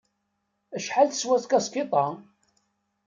Acḥal teswa tkaskiḍt-a?